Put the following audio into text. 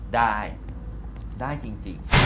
ได้ได้จริง